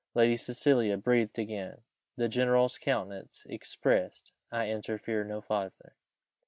Lady Cecilia breathed again. The general's countenance expressed "I interfere no farther."